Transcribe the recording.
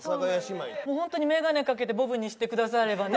ホントに眼鏡かけてボブにしてくださればね。